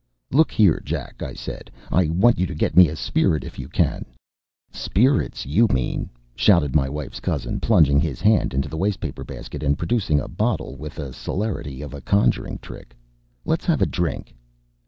"Look here, Jack," I said, "I want you to get me a spirit, if you can." "Spirits you mean!" shouted my wife's cousin, plunging his hand into the waste paper basket and producing a bottle with the celerity of a conjuring trick. "Let's have a drink!"